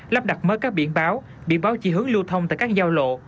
lắp đặt mới các biển báo biển báo chỉ hướng lưu thông tại các giao lộ